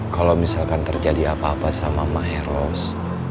kalo misalkan terjadi apa apa sama emak heros